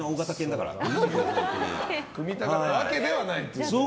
組みたかったわけではないと。